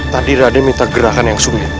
tadi raden minta gerakan yang sulit